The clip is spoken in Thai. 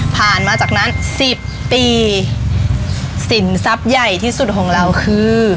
มาจากนั้นสิบปีสินทรัพย์ใหญ่ที่สุดของเราคือ